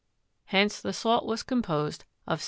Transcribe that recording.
Hence the salt was composed of 77.